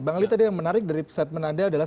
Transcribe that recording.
bang ali tadi yang menarik dari saat menanda